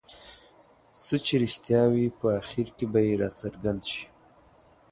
څه چې رښتیا وي په اخر کې به یې راڅرګند شي.